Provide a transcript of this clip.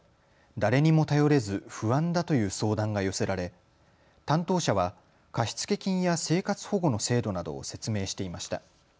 誰にも頼れず不安だという相談が寄せられ担当者は貸付金や生活保護の制度などを説明していました。